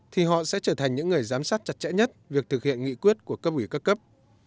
thì họ sẽ trở thành những người giám sát chặt chẽ nhất việc thực hiện nghị quyết của cấp ủy các cấp